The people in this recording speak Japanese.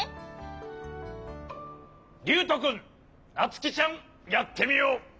りゅうとくんなつきちゃんやってみよう。